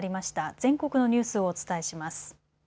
全国のニュースをお伝えします。